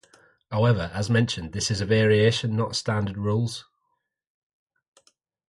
However, as mentioned, this is a variation, and not standard rules.